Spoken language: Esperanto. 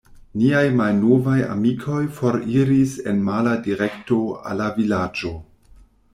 Niaj malnovaj amikoj foriris en mala direkto al la vilaĝo.